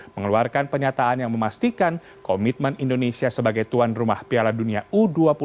mengeluarkan penyataan yang memastikan komitmen indonesia sebagai tuan rumah piala dunia u dua puluh dua ribu dua puluh tiga